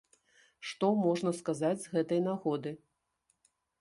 Што можна сказаць з гэтай нагоды?